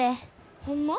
ホンマ？